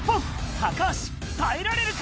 高橋、耐えられるか？